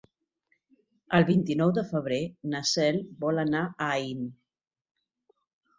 El vint-i-nou de febrer na Cel vol anar a Aín.